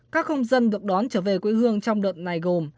các công dân được đón trở về quê hương trong đợt này gồm